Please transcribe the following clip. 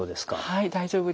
はい大丈夫です。